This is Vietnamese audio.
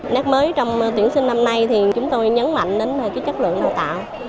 nét mới trong tuyển sinh năm nay thì chúng tôi nhấn mạnh đến chất lượng đào tạo